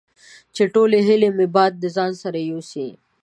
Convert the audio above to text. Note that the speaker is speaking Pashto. چې ټولې هیلې مې باد د ځان سره یوسي